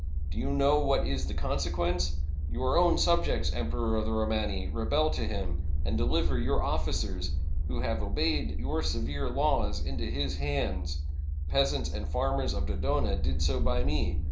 Do you know what is the consequence? Your own subjects, 0 Em peror of the Romani, rebel to him, and deliver your offi cers, who have obeyed your severe laws, into his hands. The peasants and farmers of Dodona did so by me.